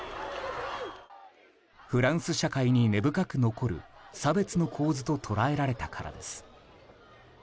フランス社会に根深く残る差別の構図と捉えられたからです。